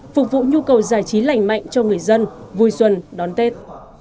phục vụ nhu cầu giải trí lành mạnh cho người dân vui xuân đón tết